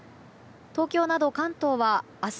東京など関東は明日